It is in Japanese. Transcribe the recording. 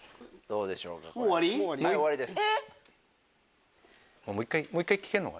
はい終わりです。